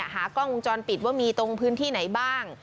หากล้องวงจรปิดว่ามีตรงพื้นที่ไหนบ้าง